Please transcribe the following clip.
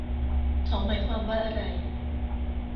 เขาหมายความว่าอะไร